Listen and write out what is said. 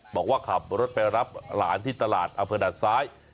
บอกว่าขับรถไปรับหลานที่ตลาดอำเภอด่านซ้าย